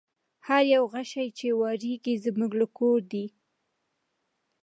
هر یو غشی چي واریږي زموږ له کور دی